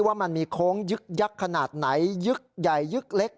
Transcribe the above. ว่ามันมีโค้งยึกยักษ์ขนาดไหนยึกใหญ่ยึกเล็ก